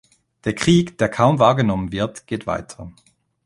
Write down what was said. Der Krieg, der kaum wahrgenommen wird, geht weiter.